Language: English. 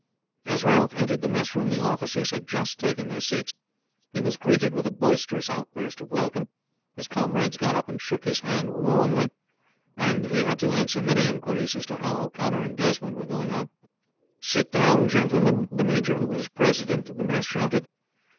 As Ralph entered the messroom the officers had just taken their seats. He was greeted with a boisterous outburst of welcome. His comrades got up and shook his hand warmly, and he had to answer many inquiries as to how O'Connor and Desmond were going on. "Sit down, gentlemen!" the major who was president of the mess shouted.